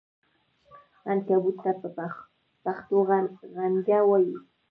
عنکبوت ته په پښتو غڼکه وایې!